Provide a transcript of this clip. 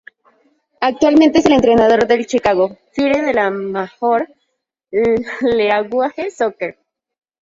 Actualmente es el entrenador del Chicago Fire de la Major League Soccer.